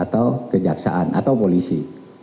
atau ke jaksaan atau polisi